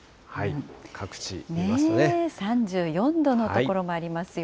各地、３４度の所もありますよ。